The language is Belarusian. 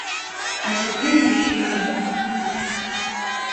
А цяпер яшчэ і знакавае возера.